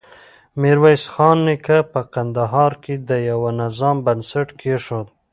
ميرويس خان نيکه په کندهار کې د يوه نظام بنسټ کېښود.